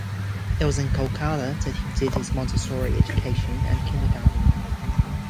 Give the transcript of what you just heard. It was in Kolkata that he did his Montessori education and Kindergarten.